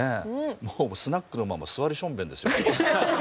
もうスナックのママ座りしょんべんですよ。